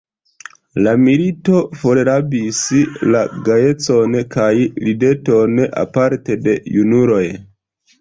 La milito forrabis la gajecon kaj rideton, aparte de junuloj.